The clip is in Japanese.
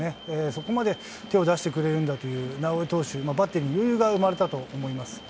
そこまで手を出してくれるんだという、直江投手のバッテリーに余裕が生まれたと思います。